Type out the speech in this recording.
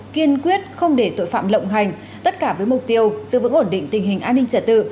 kiên quyết không để tội phạm lộng hành tất cả với mục tiêu giữ vững ổn định tình hình an ninh trả tự